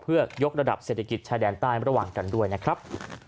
เพื่อยกระดับเศรษฐกิจชายแดนใต้ระหว่างกันด้วยนะครับ